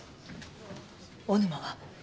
小沼は？